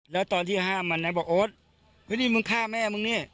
แล้วตอนที่ห้ามมันนะบอกโอ๊ตเฮ้ยนี่มึงฆ่าแม่มึงนี่